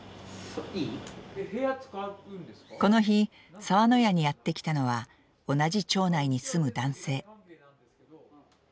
この日澤の屋にやって来たのは同じ町内に住む男性。